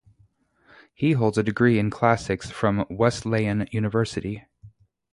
He holds a degree in Classics from Wesleyan University.